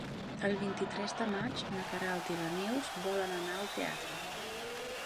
El vint-i-tres de maig na Queralt i na Neus volen anar al teatre.